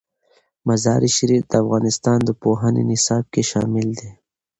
مزارشریف د افغانستان د پوهنې نصاب کې شامل دي.